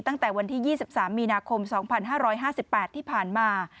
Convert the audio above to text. ตั้งแต่วันที่๒๓มีนาคม๒๕๕๘ที่ผ่านมา